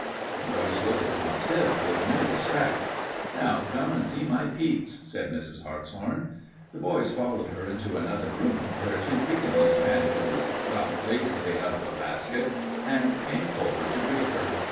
The boys looked upon Tip with new respect. "Now come and see my Pekes," said Mrs. Hartshorn. The boys followed her into another room where two Pekingese spaniels got lazily out of a basket and came forward to greet her.